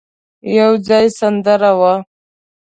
يو ځای سندره وه.